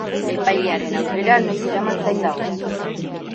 Epailearen aurrera noiz eraman zain dago.